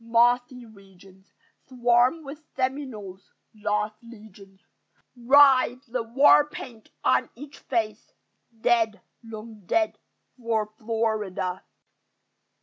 Mossy regions Swarm with Seminoles: lost legions Rise, the war paint on each face Dead, long dead for Florida!